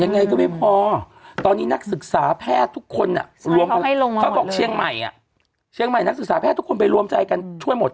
ยังไงก็ไม่พอตอนนี้นักศึกษาแพทย์ทุกคนเขาบอกเชียงใหม่เชียงใหม่นักศึกษาแพทย์ทุกคนไปรวมใจกันช่วยหมด